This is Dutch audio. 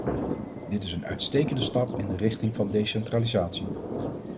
Dit is een uitstekende stap in de richting van decentralisatie.